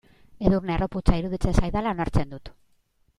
Edurne harroputza iruditzen zaidala onartzen dut.